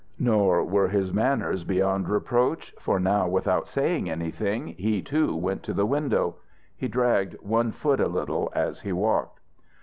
Nor were his manners beyond reproach, for now, without saying anything, he too went to the window. He dragged one foot a little as he walked.